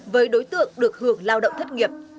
với đối tượng được hưởng lao động thất nghiệp